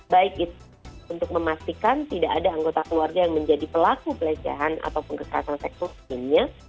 baik itu untuk memastikan tidak ada anggota keluarga yang menjadi pelaku pelecehan atau pengkerasan seksual segininya